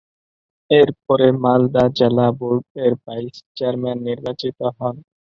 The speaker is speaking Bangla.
এর পরে মালদহ জেলা বোর্ড এর ভাইস চেয়ারম্যান নির্বাচিত হন।